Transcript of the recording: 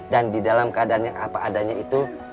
dan di dalam keadaan apa adanya itu